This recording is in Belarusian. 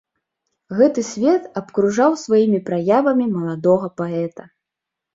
Гэты свет абкружаў сваімі праявамі маладога паэта.